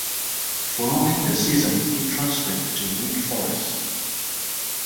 Following the season he transferred to Wake Forest.